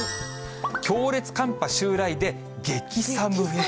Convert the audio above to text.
強烈寒波襲来で、激寒です。